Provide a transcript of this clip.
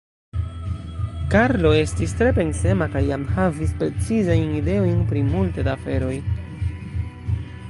Karlo estis tre pensema kaj jam havis precizajn ideojn pri multe da aferoj.